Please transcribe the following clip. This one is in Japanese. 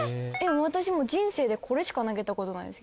私もう人生でこれしか投げた事ないです逆に。